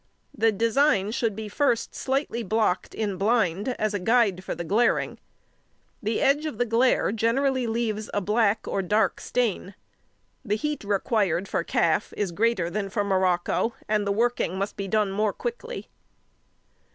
The design should be first slightly blocked in blind as a guide for the glairing. The edge of the glaire generally leaves a black or dark stain. The heat required for calf is greater than for morocco, and the working must be done more quickly.